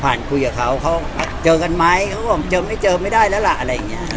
คุยกับเขาเขาเจอกันไหมเขาก็บอกเจอไม่เจอไม่ได้แล้วล่ะอะไรอย่างเงี้ย